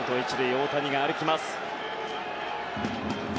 大谷が歩きます。